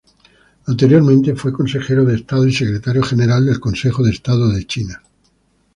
Anteriormente fue Consejero de Estado y Secretario General del Consejo de Estado de China.